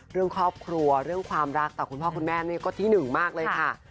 เรื่องครอบครัวเรื่องความรักต่อคุณพ่อคุณแม่นี่ก็ที่หนึ่งมากเลยค่ะ